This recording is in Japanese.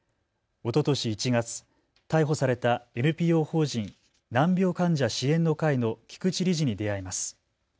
おととし１月、逮捕されたＮＰＯ法人、難病患者支援の会の菊池理事に出会います。